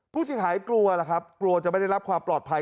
ผู้เสียหายกลัวล่ะครับกลัวจะไม่ได้รับความปลอดภัย